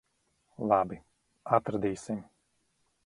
Labi. Atradīsim.